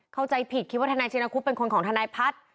เข้าใจผิดคิดว่าทนายชินคุบเป็นคนของทนายพัฒน์